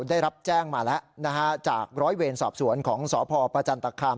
ได้รับแจ้งมาแล้วนะฮะจากร้อยเวรสอบสวนของสพประจันตคาม